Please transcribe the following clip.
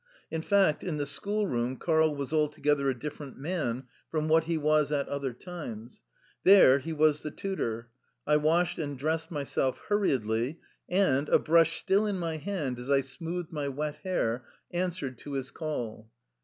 In fact, in the schoolroom Karl was altogether a different man from what he was at other times. There he was the tutor. I washed and dressed myself hurriedly, and, a brush still in my hand as I smoothed my wet hair, answered to his call.